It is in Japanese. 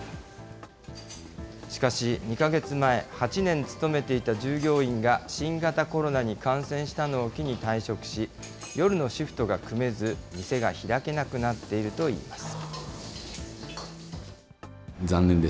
しかし、２か月前、８年勤めていた従業員が新型コロナに感染したのを機に退職し、夜のシフトが組めず、店が開けなくなっているといいます。